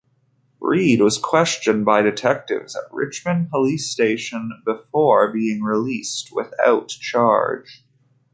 Read was questioned by detectives at Richmond police station before being released without charge.